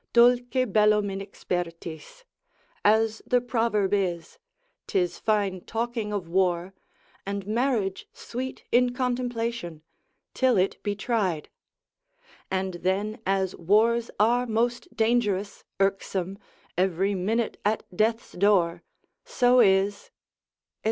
Dulce bellum inexpertis, as the proverb is, 'tis fine talking of war, and marriage sweet in contemplation, till it be tried: and then as wars are most dangerous, irksome, every minute at death's door, so is, &c.